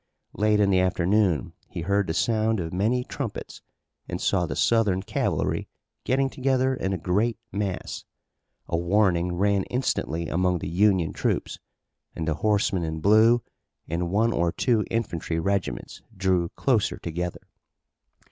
Late in the afternoon he heard the sound of many trumpets, and saw the Southern cavalry getting together in a great mass. A warning ran instantly among the Union troops and the horsemen in blue and one or two infantry regiments drew closer together.